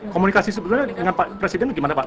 komunikasi sebenarnya dengan pak presiden gimana pak